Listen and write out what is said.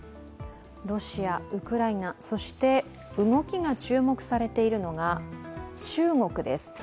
ロシア、ウクライナ、そして動きが注目されているのが中国です。